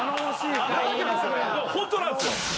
ホントなんですよ。